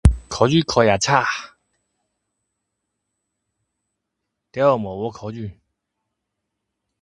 考试考很差，最好不去考试